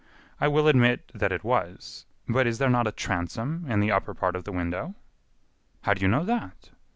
"I will admit that it was; but is there not a transom in the upper part of the window?" "How do you know that?"